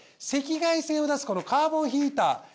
赤外線を出すこのカーボンヒーター。